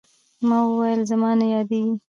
ما وويل زما نه يادېږي.